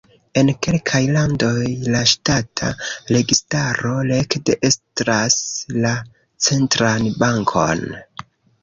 En kelkaj landoj la ŝtata registaro rekte estras la centran bankon.